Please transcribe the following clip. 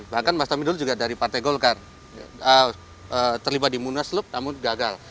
bahkan mas tommy dulu juga dari partai golkar terlibat di munaslup namun gagal